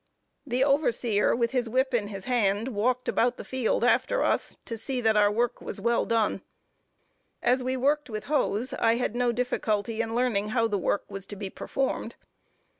The overseer with his whip in his hand walked about the field after us, to see that our work was well done. As we worked with hoes, I had no difficulty in learning how the work was to be performed.